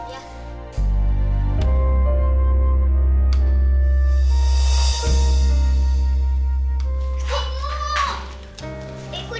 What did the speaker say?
ibu dimana bu